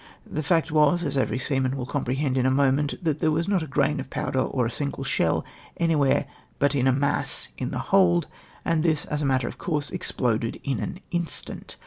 The fact was, as every seaman Avill comprehend in a moment, that there was not a grain of powder, or a single shell, anpvhere but in II mass in the hold, and tliis, as a matter of course, exploded in an instant!